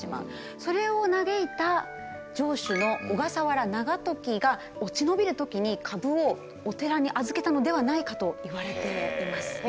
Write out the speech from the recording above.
それを嘆いた城主の小笠原長時が落ち延びる時に株をお寺に預けたのではないかと言われています。